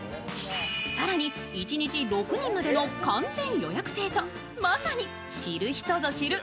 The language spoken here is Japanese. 更に１日６人までの完全予約制とまさに知る人ぞ知る